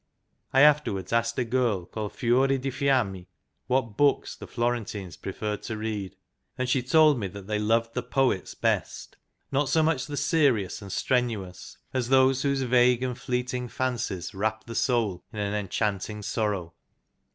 I after wards asked a girl called Fiore di Fiamma what THE FLORENTINE LEAGUE 23 books the Florentines preferred to read, and she told me that they loved the Poets best, not so much the serious and strenuous as those whose vague and fleet ing fancies wrap the soul in an enchanting sorrow.